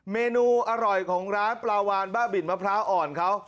เมนูอร่อยของร้านปลาวานบ้าบินมะพร้าวอ่อนเขา